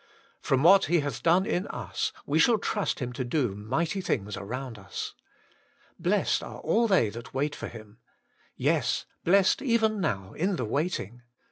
From what He hath done in us, we shall trust Hitti to do mighty things around us. io8 WAITING ON GODI * Blessed are all they that wait for Him.' Yes, blessed even now in the waiting.